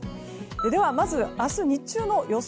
では、まず明日日中の予想